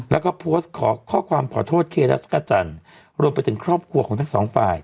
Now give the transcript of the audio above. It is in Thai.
แล้วก็โพสต์ขอข้อความขอโทษเครจักรจันทร์รวมไปถึงครอบครัวของทั้งสองฝ่าย